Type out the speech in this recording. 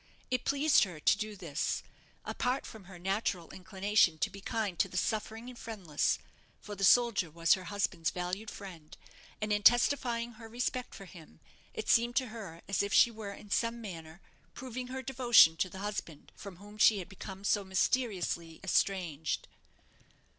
It pleased her to do this apart from her natural inclination to be kind to the suffering and friendless; for the soldier was her husband's valued friend, and in testifying her respect for him, it seemed to her as if she were in some manner proving her devotion to the husband from whom she had become so mysteriously estranged.